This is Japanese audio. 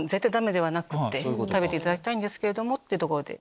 食べていただきたいんですけどってところで。